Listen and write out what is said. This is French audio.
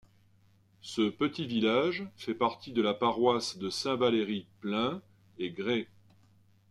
Ce petit village fait partie de la paroisse de Saint-Valery Plains et Grès.